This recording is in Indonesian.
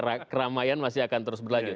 jadi keramaian masih akan terus berlanjut